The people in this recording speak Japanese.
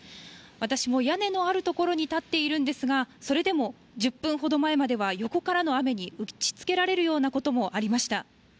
私も屋根のある所に立っているんですが、それでも１０分ほど前までは横からの雨に打ちつけられるようなこともありました。